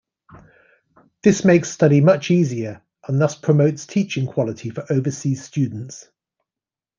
This makes study much easier, and thus promotes teaching quality for overseas students.